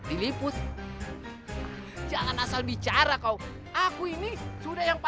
eh udah tahu semuanya